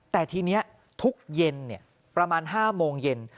แต่ทีนี้ทุกเย็นประมาณ๕โมงเย็น